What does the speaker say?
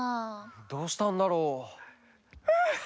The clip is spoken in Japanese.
どうしたんだろう？はあ